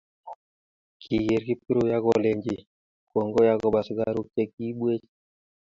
kigeer kipkurui agolenji,"kongoi akoba sugaruk chegeibwech."